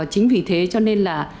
chính vì thế cho nên là